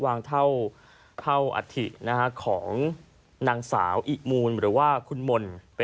เท่าอัฐิของนางสาวอิมูลหรือว่าคุณมนต์